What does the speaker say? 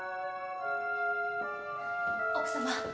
奥様。